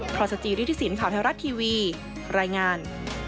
พรสจิริฐศิลปข่าวไทยรัฐทีวีรายงาน